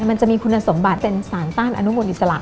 มันจะมีคุณสมบัติเป็นสารต้านอนุมูลอิสระ